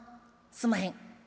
すんまへん。